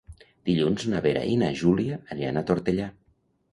Dilluns na Vera i na Júlia aniran a Tortellà.